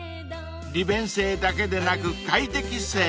［利便性だけでなく快適性も］